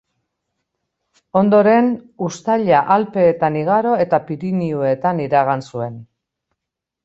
Ondoren, uztaila Alpeetan igaro eta Pirinioetan iragan zuen.